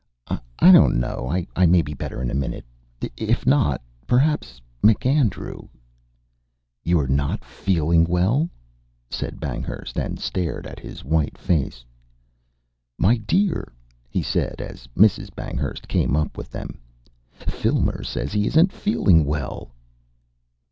"I don't know. I may be better in a minute. If not perhaps... MacAndrew " "You're not feeling WELL?" said Banghurst, and stared at his white face. "My dear!" he said, as Mrs. Banghurst came up with them, "Filmer says he isn't feeling WELL."